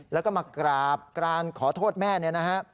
แล้วก็มากราบกรานขอโทษแม่เนี่ยนะฮะ